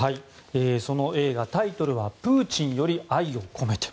その映画、タイトルは「プーチンより愛を込めて」。